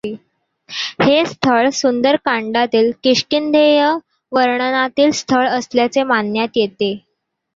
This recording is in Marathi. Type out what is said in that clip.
हे स्थळ सुंदरकांडातील किष्किंधेय वर्णनातील स्थळ असल्याचे मानण्यात येते.